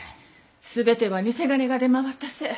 すべては贋金が出回ったせい。